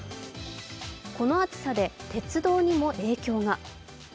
この暑さで鉄道にも影響が。